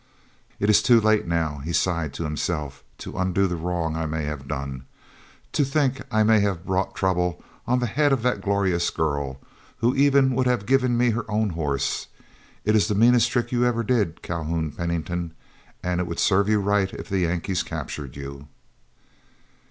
"It is too late now," he sighed, to himself, "to undo the wrong I may have done. To think I may have brought trouble on the head of that glorious girl, who even would give me her own horse! It's the meanest trick you ever did, Calhoun Pennington, and it would serve you right if the Yankees captured you."